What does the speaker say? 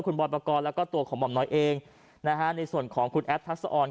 คุณบอยปกรณ์แล้วก็ตัวของหม่อมน้อยเองนะฮะในส่วนของคุณแอฟทักษะออน